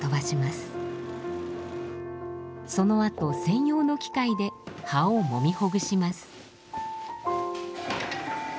そのあと専用の機械で葉をもみほぐします。